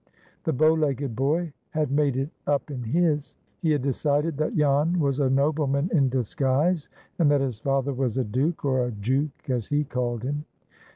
The bow legged boy had made it up in his. He had decided that Jan was a nobleman in disguise, and that his father was a duke, or a "jook," as he called him.